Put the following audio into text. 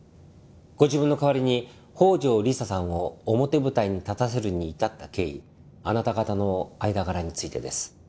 ご自分の代わりに宝城理沙さんを表舞台に立たせるに至った経緯あなた方の間柄についてです。